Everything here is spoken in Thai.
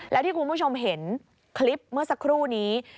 แล้วที่คุณผู้ชมเห็นคลิปเมื่อสักครู่นี้